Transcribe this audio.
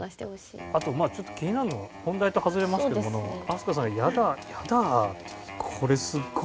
あとちょっと気になるの本題と外れますけど飛鳥さんが「嫌だ」って。